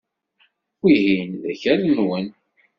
Wihin d akal-nwen.